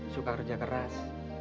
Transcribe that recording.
suka kerja keras